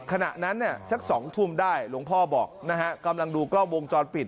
ขณะนั้นเนี่ยสัก๒ทุ่มได้หลวงพ่อบอกนะฮะกำลังดูกล้องวงจรปิด